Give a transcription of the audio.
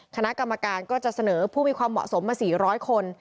คณะกรรมการก็จะเสนอผู้มีความเหมาะสมมา๔๐๐คน